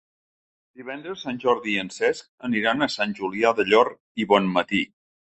Divendres en Jordi i en Cesc aniran a Sant Julià del Llor i Bonmatí.